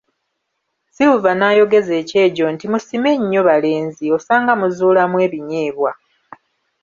Silver n'ayogeza ekyejo nti Musime nnyo, balenzi, osanga muzuulamu ebinyeebwa.